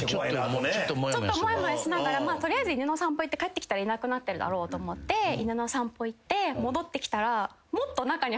ちょっとモヤモヤしながら取りあえず犬の散歩行って帰ってきたらいなくなってるだろうと思って犬の散歩行って。